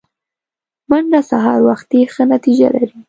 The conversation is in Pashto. منډه سهار وختي ښه نتیجه لري